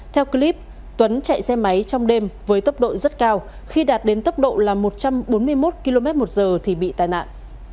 theo clip tuấn chạy xe máy trong đêm với tốc độ rất cao khi đạt đến tốc độ là một trăm bốn mươi một km một giờ thì bị tai nạn